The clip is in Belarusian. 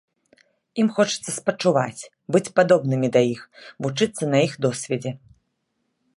Ім хочацца спачуваць, быць падобнымі да іх, вучыцца на іх досведзе.